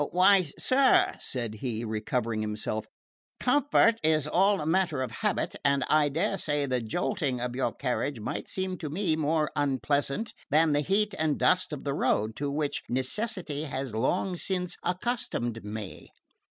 "Why, sir," said he, recovering himself, "comfort is all a matter of habit, and I daresay the jolting of your carriage might seem to me more unpleasant than the heat and dust of the road, to which necessity has long since accustomed me."